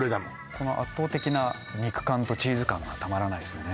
この圧倒的な肉感とチーズ感がたまらないですよね